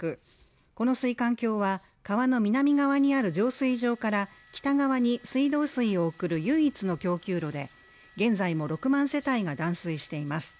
この水管橋は川の南側にある浄水場から北側に水道水を送る唯一の供給路で現在も６万世帯が断水しています